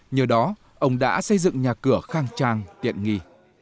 nhờ đó ông đã xây dựng nhà cửa khang trang tiện nghỉ